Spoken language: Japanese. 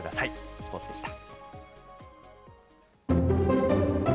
スポーツでした。